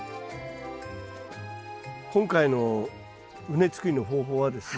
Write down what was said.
今回の畝作りの方法はですね